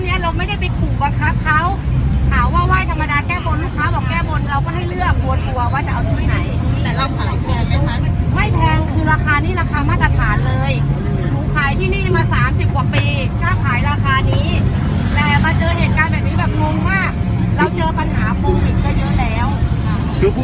เขาถามว่าไหว้ธรรมดาแก้บนลูกค้าบอกแก้บน